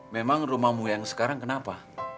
memang rumahmu yang sekarang kenapa